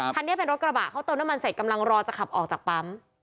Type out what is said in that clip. คันนี้เป็นรถกระบะเขาเติมน้ำมันเสร็จกำลังรอจะขับออกจากปั๊ม